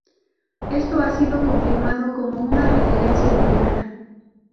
Esto ha sido confirmado como una referencia directa.